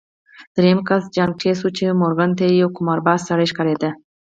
درېيم کس جان ګيټس و چې مورګان ته يو قمارباز سړی ښکارېده.